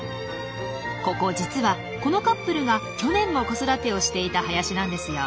ここ実はこのカップルが去年も子育てをしていた林なんですよ。